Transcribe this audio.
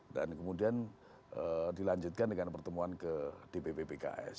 dan kemudian dilanjutkan dengan pertemuan ke dpp pks